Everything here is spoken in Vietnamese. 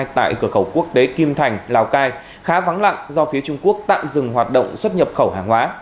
tại cửa khẩu quốc tế kim thành lào cai khá vắng lặng do phía trung quốc tạm dừng hoạt động xuất nhập khẩu hàng hóa